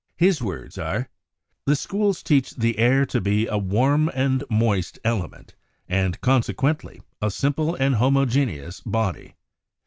His words are : "The Schools teach the air to be a warm and moisfl element, and consequently a simple and homogeneous body.